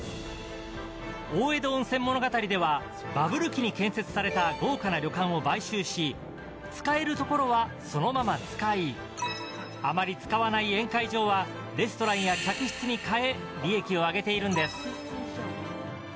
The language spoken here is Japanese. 大江戸温泉物語ではバブル期に建設された豪華な旅館を買収し使えるところはそのまま使いあまり使わない宴会場はレストランや客室に変え利益を上げているんです。